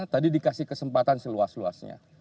tadi dikasih kesempatan seluas luasnya